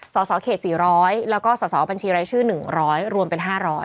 สสเขต๔๐๐แล้วก็สอบบัญชีรายชื่อ๑๐๐รวมเป็น๕๐๐